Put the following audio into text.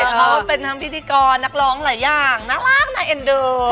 เขาเป็นทั้งพิธีกรนักร้องหลายอย่างน่ารักน่าเอ็นดู